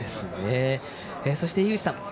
そして、井口さん